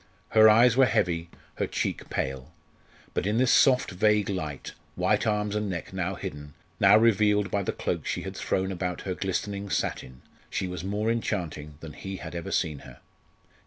Her eyes were heavy, her cheek pale. But in this soft vague light white arms and neck now hidden, now revealed by the cloak she had thrown about her glistening satin she was more enchanting than he had ever seen her.